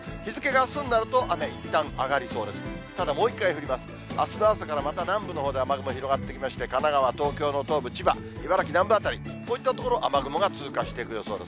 あすの朝からまた南部のほうで雨雲広がってきまして、神奈川、東京の東部、千葉、茨城南部辺り、こういった所、雨雲が通過していく予想です。